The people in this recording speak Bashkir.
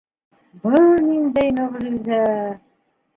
Был ниндәй мөғжизә!